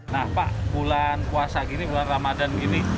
nah pak bulan puasa gini bulan ramadhan gini